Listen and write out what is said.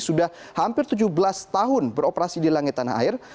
sudah hampir tujuh belas tahun beroperasi di langit tanah air